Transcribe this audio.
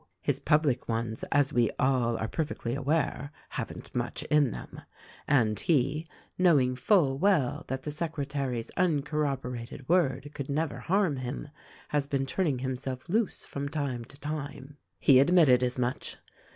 His public ones, as we all are perfectly aware, haven't much in them. And he, knowing full well that the secretary's uncorroborated word could never harm 2i 4 THE RECORDING ANGEL him, has been turning himself loose from time to time. He admitted as much.